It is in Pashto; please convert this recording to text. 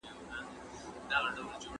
سرچینه باید باوري وي.